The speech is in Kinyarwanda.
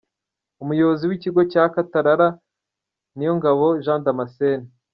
Umuyobozi w’ikigo cya Katarara Niyongabo Jean Damascene.